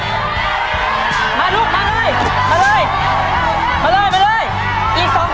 อีก๒เส้นเร็วค่ะเร็ว